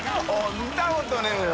見たことねぇよ。